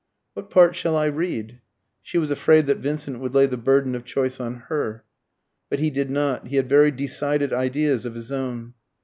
"What part shall I read?" She was afraid that Vincent would lay the burden of choice on her. But he did not he had very decided ideas of his own.